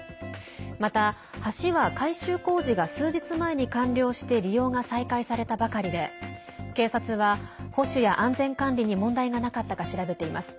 また、橋は改修工事が数日前に完了して利用が再開されたばかりで警察は保守や安全管理に問題がなかったか調べています。